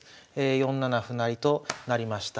４七歩成となりました。